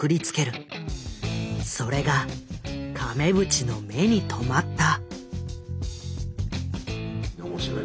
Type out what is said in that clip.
それが亀渕の目に留まった。